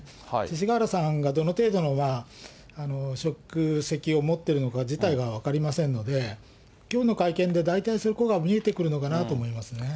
勅使河原さんが、どの程度の職責を持っているのか、自体が分かりませんので、きょうの会見で、大体、そこが見えてくるのかなと思いますね。